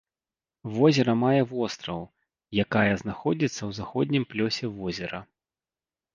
Возера мае востраў, якая знаходзіцца ў заходнім плёсе возера.